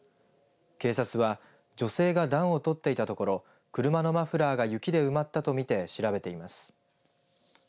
警察は女性が暖を取っていたところ車のマフラーが雪で埋まったとみて調べています。